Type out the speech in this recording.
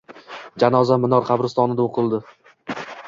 Janoza Minor qabristonida o’qildi.